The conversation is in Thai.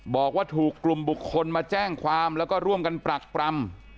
บอกว่าถูกกลุ่มบุคคลมาแจ้งความแล้วก็ร่วมกันปรักปรำ